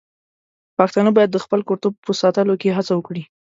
پښتانه بايد د خپل کلتور په ساتلو کې هڅه وکړي.